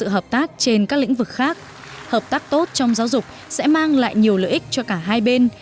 hợp tác tốt trong giáo dục sẽ mang lại nhiều lợi ích cho cả hai bên